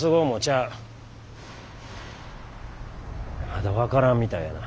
まだ分からんみたいやな。